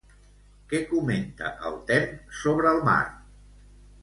Què comenta el Temme sobre el mar?